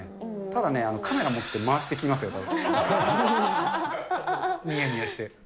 ただね、カメラ持って回してきますよ。にやにやして。